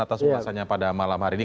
atas ulasannya pada malam hari ini